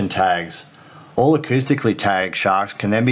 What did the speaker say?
semua shark yang ditandai akustik